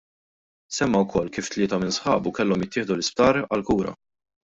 Semma wkoll kif tlieta minn sħabu kellhom jittieħdu l-isptar għall-kura.